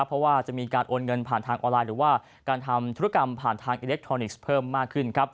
เพราะว่าจะมีการโอนเงินผ่านทางออนไลน์หรือว่าการทำธุรกรรมผ่านทางอิเล็กทรอนิกส์เพิ่มมากขึ้นครับ